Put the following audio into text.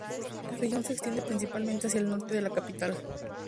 La región se extiende principalmente hacia el norte de la capital.